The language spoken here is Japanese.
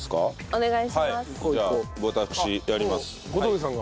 お願いします。